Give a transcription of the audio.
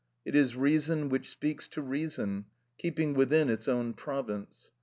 It is reason which speaks to reason, keeping within its own province.